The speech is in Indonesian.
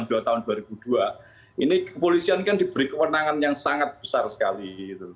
ini kepolisian kan diberi kewenangan yang sangat besar sekali